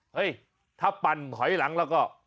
เฮ้ยถ้าปั่นถอยหลังแล้วก็